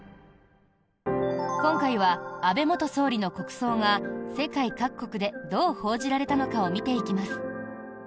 今回は、安倍元総理の国葬が世界各国でどう報じられたのかを見ていきます。